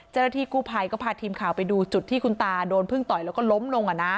เจ้าหน้าที่กู้ภัยก็พาทีมข่าวไปดูจุดที่คุณตาโดนพึ่งต่อยแล้วก็ล้มลง